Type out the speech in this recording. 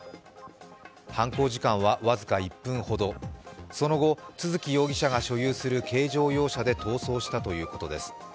犯行時間はわずか１分ほどその後、都築容疑者が所有する軽乗用車で逃走したということです。